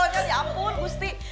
ya ampun gusti